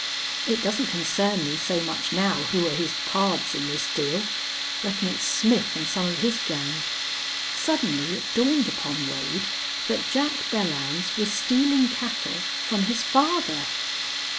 It doesn't concern me so much now who're his pards in this deal. Reckon it's Smith an' some of his gang." Suddenly it dawned upon Wade that Jack Belllounds was stealing cattle from his father.